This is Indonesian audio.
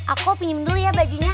aku pinjem dulu ya bajunya